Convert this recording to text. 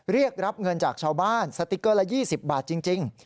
เรียกรับเงินจากชาวบ้านสติ๊กเกอร์ละ๒๐บาทจริง